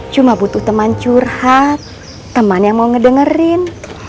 cuma butuh teman curhat teman yang mau ngedengerin